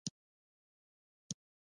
مصنوعي ځیرکتیا د روغتیا په برخه کې مرسته کوي.